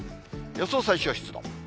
予想最小湿度。